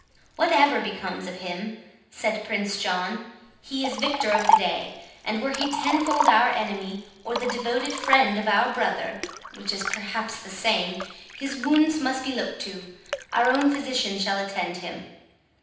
"Whatever becomes of him," said Prince John, "he is victor of the day; and were he tenfold our enemy, or the devoted friend of our brother, which is perhaps the same, his wounds must be looked to—our own physician shall attend him."